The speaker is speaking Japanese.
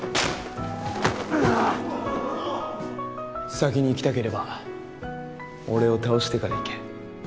先に行きたければ俺を倒してから行け。